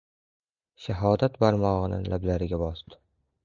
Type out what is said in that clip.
Shahodat barmog‘ini lablariga bosdi.